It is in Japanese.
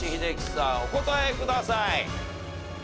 お答えください。